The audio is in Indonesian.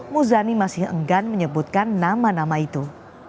muzani masih enggan menyebutkan nama nama itu